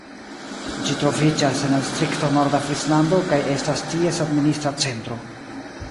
Ĝi troviĝas en la distrikto Norda Frislando, kaj estas ties administra centro.